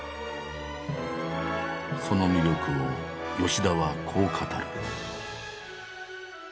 その魅力を吉田はこう語る。